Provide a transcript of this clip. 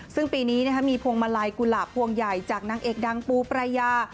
ซึ่งปีนี้มีพวงมาลัยกุหลาบพวงใหญ่จากนางเอกดังปูปรายา